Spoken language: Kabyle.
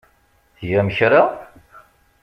Tgam kra?